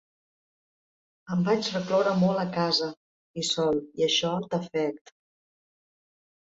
Em vaig recloure molt a casa i sol i això t’afect'.